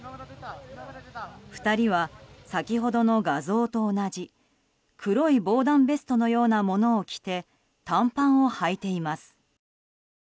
２人は、先ほどの画像と同じ黒い防弾ベストのようなものを着て短パンをはいています。